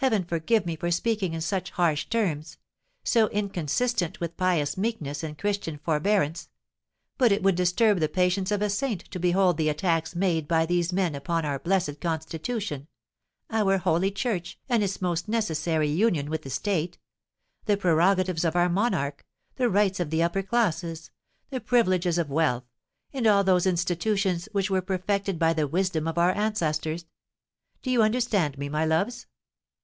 Heaven forgive me for speaking in such harsh terms—so inconsistent with pious meekness and Christian forbearance; but it would disturb the patience of a saint to behold the attacks made by these men upon our blessed Constitution—our holy Church, and its most necessary union with the State—the prerogatives of our monarch—the rights of the upper classes—the privileges of wealth—and all those institutions which were perfected by the wisdom of our ancestors. Do you understand me, my loves?"